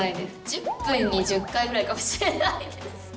１０分に１０回ぐらいかもしれないです。